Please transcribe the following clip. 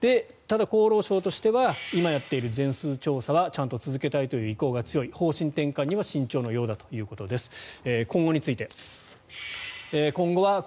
ただ厚労省としては今やっている全数調査はちゃんと続けたいという意向が強い方針転換には慎重なようだということです。